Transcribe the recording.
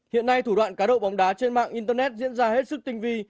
hiện nay thủ đoạn cá độ bóng đá trên mạng internet diễn ra hết sức tinh vi